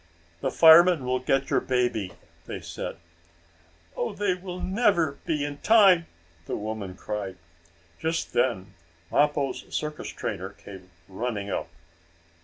"The firemen will get your baby," they said. "Oh, they will never be in time!" the woman cried. Just then Mappo's circus trainer came running up.